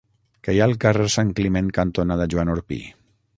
Què hi ha al carrer Santcliment cantonada Joan Orpí?